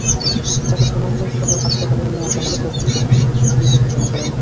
তাঁকে সুনামগঞ্জ সদর হাসপাতালে নিয়ে আসা হলে কর্তব্যরত চিকিৎসক মৃত ঘোষণা করেন।